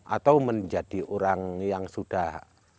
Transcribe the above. atau menjadi orang yang sudah